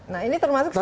nah ini termasuk cnn